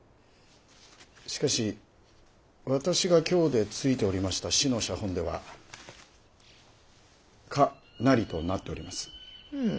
しかし私が京でついておりました師の写本では「可なり」となっております。